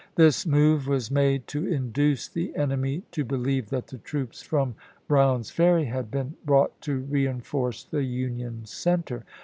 This move was made to induce the enemy to be lieve that the troops from Brown's Ferry had been brought to reenforce the Union center.